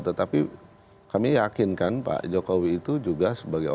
tetapi kami yakinkan pak jokowi itu juga sebagai orang